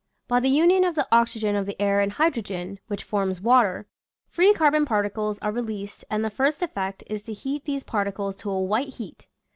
By the union of the oxygen of the air and hydrogen — which forms water — free carbon particles are released and the first effect is to heat these par ticles to a white heat.